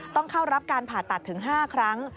ต้องเข้ารับการผ่าตัดถึง๕ครั้ง